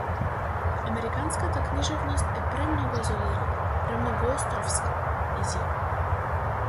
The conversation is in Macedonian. Американската книжевност е премногу изолирана, премногу островска, изјави.